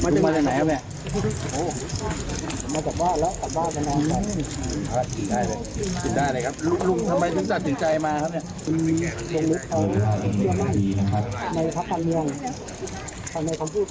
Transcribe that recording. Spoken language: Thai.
ถ้าการมวลเหมือนเนี่ย